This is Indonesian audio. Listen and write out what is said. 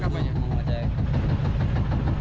iya mau ngecek